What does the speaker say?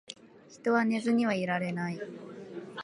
人は寝ずにはいられない